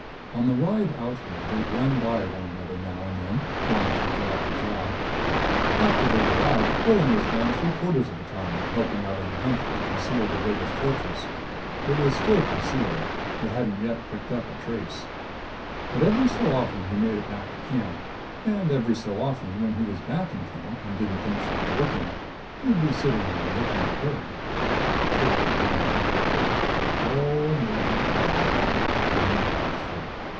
On the ride out here they'd run by one another now and then, going from job to job. After they'd arrived, Quillan was gone three quarters of the time, helping out in the hunt for the concealed Devagas fortress. It was still concealed; they hadn't yet picked up a trace. But every so often he made it back to camp. And every so often when he was back in camp and didn't think she was looking, he'd be sitting there looking at her. Trigger grinned happily. Ole Major Quillan being bashful!